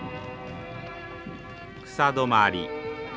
草泊まり。